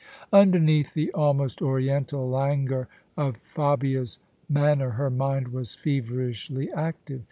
Underneath the almost Oriental langour of Fabia's man ner, her mind was feverishly active.